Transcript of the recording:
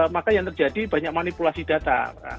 maka yang terjadi banyak manipulasi data